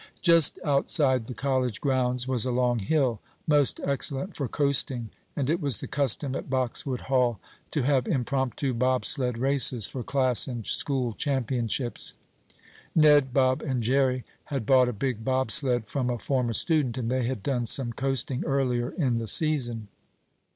Just outside the college grounds was a long hill, most excellent for coasting, and it was the custom at Boxwood Hall to have impromptu bobsled races for class and school championships. Ned, Bob and Jerry had bought a big bobsled from a former student, and they had done some coasting earlier in the season.